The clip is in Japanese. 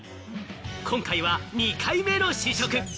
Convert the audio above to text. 今回は２回目の試食。